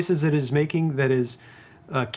pilihan yang berterusan